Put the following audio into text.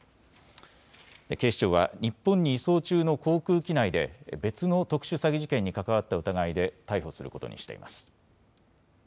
警視庁は日本に移送中の航空機内で別の特殊詐欺事件に関わった疑いで逮捕することにしています。